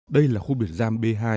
đây là khu biệt giam b hai